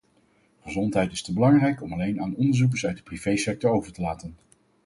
Gezondheid is te belangrijk om alleen aan onderzoekers uit de privé-sector over te laten.